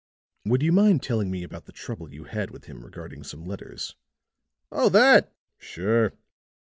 "Would you mind telling me about the trouble you had with him regarding some letters?" "Oh, that! Sure.